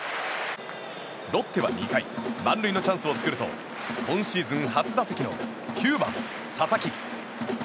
ロッテは２回満塁のチャンスを作ると今シーズン初打席の９番、佐々木。